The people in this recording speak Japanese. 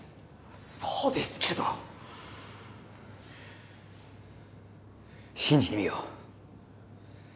そうですけど信じてみよう。